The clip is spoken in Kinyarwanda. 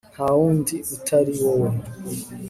Nta wundi utari wowe